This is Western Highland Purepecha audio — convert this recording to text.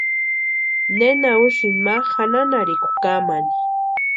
¿Nena úsïni ma janhanharhikwa kamani?